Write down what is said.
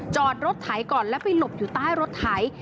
จอดรถไถก่อนแล้วไปหลบอยู่ใต้รถไถ